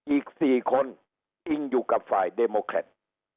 อีก๔คนอิงอยู่กับฝ่ายเดโมแครต